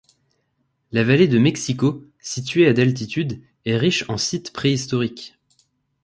La vallée de Mexico, située à d'altitude, est riche en sites préhistoriques.